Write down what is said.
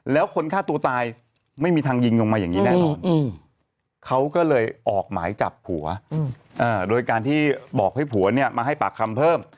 แล้วคนฆ่าตัวตายไม่มีทางยิงลงมาอย่างนี้แน่นอนเขาก็เลยออกหมายจับผัวโดยการที่บอกให้ผัวเนี่ยมาให้ปากคำเพิ่ม